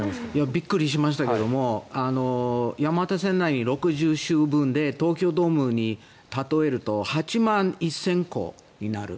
びっくりしましたが山手線に６０周分で東京ドームに例えると８万１０００個になる。